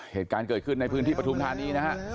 เหตุการณ์เกิดขึ้นในพื้นที่ปฐุมธานีนะฮะ